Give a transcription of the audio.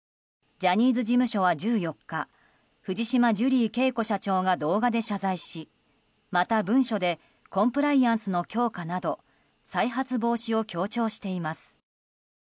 ジャニーズ事務所は１４日藤島ジュリー景子社長が動画で謝罪しまた、文書でコンプライアンスの強化など再発防止を強調しています。